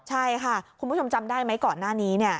ใช่ค่ะคุณผู้ชมจำได้ไหมก่อนหน้านี้